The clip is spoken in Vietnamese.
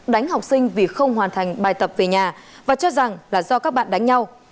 đánh học sinh vì không hoàn thành bài tập về nhà và cho rằng là do các bạn đánh nhau